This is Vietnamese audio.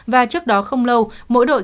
và trước đó không lâu mỗi đội